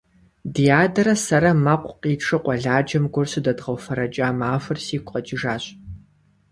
Ди адэрэ сэрэ мэкъу къитшу къуэладжэм гур щыдэдгъэуфэрэкӏа махуэр сигу къэкӏижащ.